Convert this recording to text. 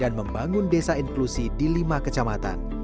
dan membangun desa inklusi di lima kesamatan